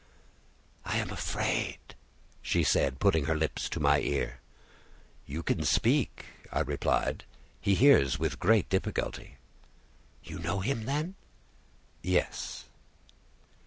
"I am afraid," she said, putting her lips to my ear. "You can speak," I replied; "he hears with great difficulty." "You know him, then?" "Yes."